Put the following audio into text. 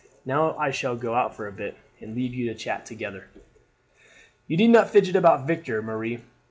Now I shall go out for a bit, and leave you to chat together. "You need not fidget about Victor, Marie.